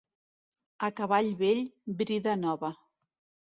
A cavall vell, brida nova.